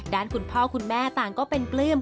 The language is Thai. ด้านคุณพ่อคุณแม่ต่างก็เป็นปลื้ม